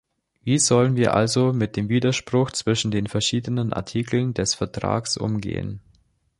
Wie sollen wir also mit dem Widerspruch zwischen den verschiedenen Artikeln des Vertrags umgehen?